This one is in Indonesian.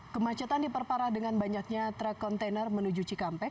kemacetan diperparah dengan banyaknya truk kontainer menuju cikampek